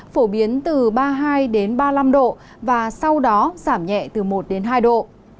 phổ biến từ ba mươi hai ba mươi năm độ và sau đó giảm nhẹ từ một đến hai độ